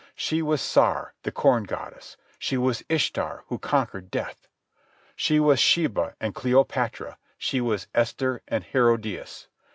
She was Sar, the corn goddess. She was Isthar who conquered death. She was Sheba and Cleopatra; she was Esther and Herodias.